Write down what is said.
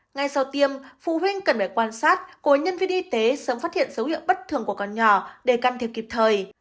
ngay sau tiêm phụ huynh cần phải quan sát cùng nhân viên y tế sớm phát hiện dấu hiệu bất thường của con nhỏ để can thiệp kịp thời